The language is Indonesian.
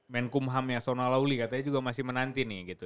menkumhamnya sona lawli katanya juga masih menanti nih gitu